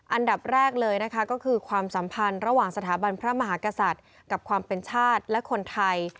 อันดับแรกเลยนะคะก็คือความสัมพันธ์ระหว่างสถาบันพระมหากษัตริย์กับความเป็นชาติและคนไทย